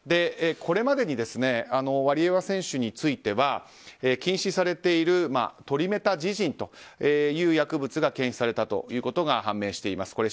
これまでにワリエワ選手について禁止されているトリメタジジンという薬物が検出されたということが判明しています。